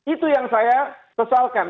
itu yang saya kesalkan